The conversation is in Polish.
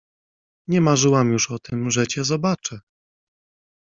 — Nie marzyłam już o tym, że cię zobaczę!